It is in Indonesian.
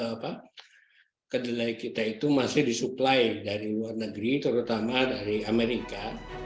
apa kedelai kita itu masih disuplai dari luar negeri terutama dari amerika